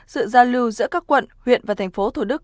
sự giao lưu giữa các quận huyện và thành phố thủ đức